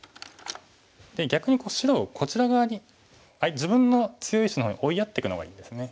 で逆に白をこちら側に自分の強い石の方に追いやっていくのがいいんですね。